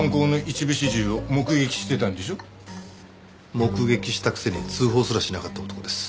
目撃したくせに通報すらしなかった男です。